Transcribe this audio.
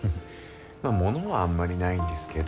まあ物はあんまりないんですけど。